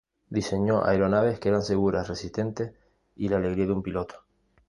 Diseñó aeronaves que eran seguras, resistentes y "la alegría de un piloto".